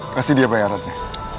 kasih dia bayarannya